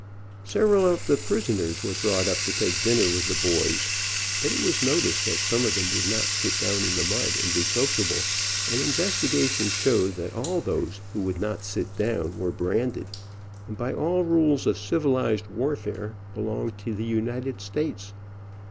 Several of the prisoners were brought up to take dinner with the boys, b'iit it was noticed some of them would not sit down in the mud and be sociable, and investigation showed that all those who would not sit down were branded, and by all rules of civilized warfare belonged to the United States.